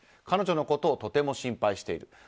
彼女のことをとても心配している。